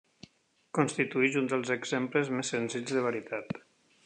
Constitueix un dels exemples més senzills de varietat.